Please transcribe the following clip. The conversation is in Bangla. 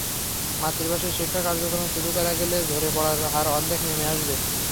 মাতৃভাষায় শিক্ষা কার্যক্রম শুরু করা গেলে ঝরে পড়ার হার অর্ধেকে নেমে আসবে।